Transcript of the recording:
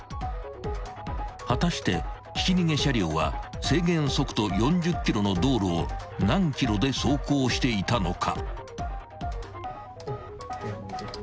［果たしてひき逃げ車両は制限速度４０キロの道路を何キロで走行していたのか］